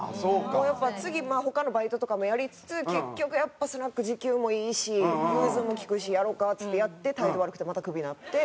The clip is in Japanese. やっぱ次まあ他のバイトとかもやりつつ結局やっぱスナック時給もいいし融通も利くしやろうかっつってやって態度悪くてまたクビになって。